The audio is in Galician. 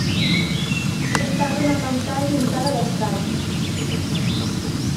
Estaba na pantalla un tal Abascal.